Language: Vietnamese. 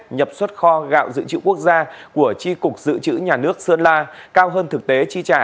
nhập xuất kho gạo dự trữ quốc gia của tri cục dự trữ nhà nước sơn la cao hơn thực tế chi trả